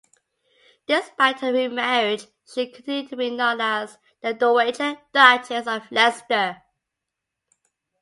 Despite her remarriage she continued to be known as The Dowager Duchess of Leinster.